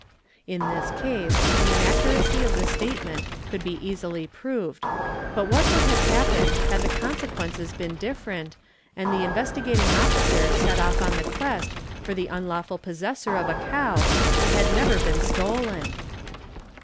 '' In this case the maccuracy ' of the statement could be easily proved, but what would have happened had the consequences been different and the Investigating Officer set off on the quest for the unlawful possessor of a cow that had never been / stolen